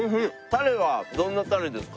タレはどんなタレですか？